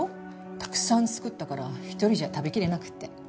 たくさん作ったから１人じゃ食べきれなくて。